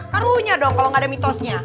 karunya dong kalau gak ada mitosnya